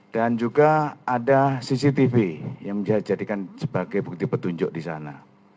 dan juga ada cctv yang dijadikan sebagai bukti petunjuk di sana